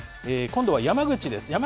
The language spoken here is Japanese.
今度は山口です。